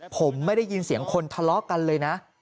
ผมไม่ได้ยินเสียงคนทะเลาะกันเลยนะ